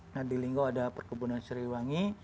nah di lingga ada perkebunan serewangi